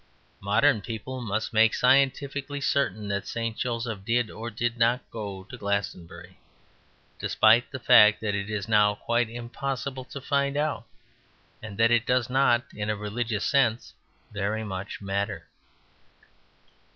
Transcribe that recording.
Modern people must make scientifically certain that St. Joseph did or did not go to Glastonbury, despite the fact that it is now quite impossible to find out; and that it does not, in a religious sense, very much matter.